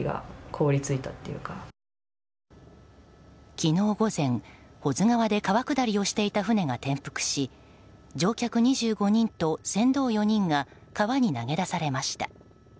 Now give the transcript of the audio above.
昨日午前、保津川で川下りをしていた船が転覆し乗客２５人と船頭４人が川に投げ出されました。